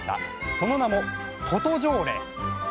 その名も「とと条例」！